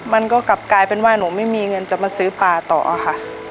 มันก็กลับกลายเป็นว่าหนูไม่มีเงินจะมาซื้อปลาต่อค่ะ